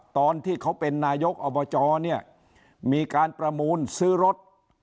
ตอนที่เขาเป็นนายกอบจเนี่ยมีการประมูลซื้อรถ